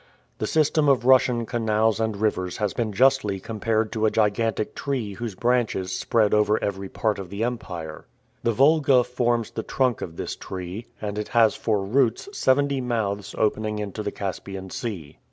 The system of Russian canals and rivers has been justly compared to a gigantic tree whose branches spread over every part of the empire. The Volga forms the trunk of this tree, and it has for roots seventy mouths opening into the Caspian Sea.